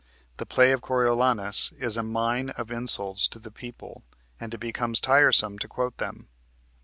The play of "Coriolanus" is a mine of insults to the people and it becomes tiresome to quote them.